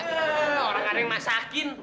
orang orang yang dimasakin